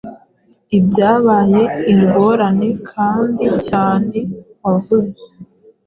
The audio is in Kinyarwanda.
Ibyabaye ingorane kandi cyane wavuze.